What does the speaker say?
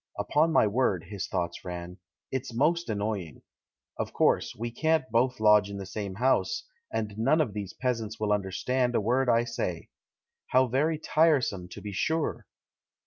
"Upon my word," his thoughts ran, "it's most annoying! Of course, we can't both lodge in the same house, and none of these peasants will understand a word I say. How very tiresome, to be sure!